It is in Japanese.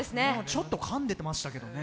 ちょっとかんでましたけどね。